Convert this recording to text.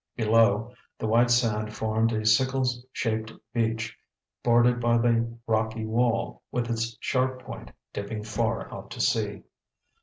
Below, the white sand formed a sickle shaped beach, bordered by the rocky wall, with its sharp point dipping far out to sea.